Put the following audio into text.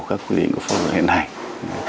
các quy định của phong đội hiện hành